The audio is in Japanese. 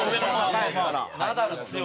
ナダル強い。